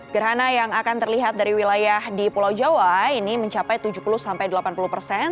gerhana yang akan terlihat dari wilayah di pulau jawa ini mencapai tujuh puluh sampai delapan puluh persen